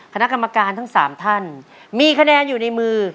คณะกรรมการทั้ง๓ท่านมีคะแนนอยู่ในมือ